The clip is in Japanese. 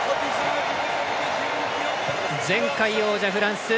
前回王者フランス。